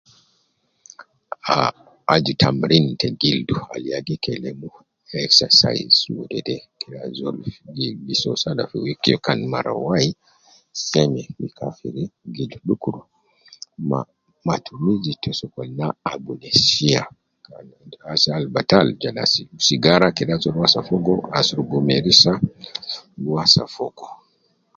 Aaah aju tamrin te gildu Al ya gi kelemu exercise wede me azol gi so Sala fi weekend kan mara wai seme ahhh Wu matumizi te hajati batal kede ajol sibunsigara, sibu asurub merisa ke owasa fogo